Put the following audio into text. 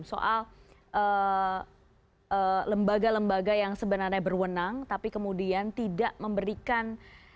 soal lembaga lembaga yang sebenarnya berwenang tapi kemudian tidak memberikan